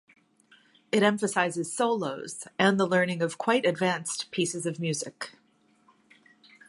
It emphasizes solos, and the learning of quite advanced pieces of music.